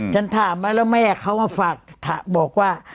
ฉันถามไว้แล้วแม่เขามาฝากบอกว่า